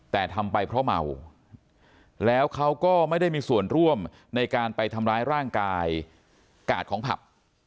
แต่ทำไปเพราะเมาแล้วเขาก็ไม่ได้มีส่วนร่วมในการไปทำร้ายร่างกายกาดของผับ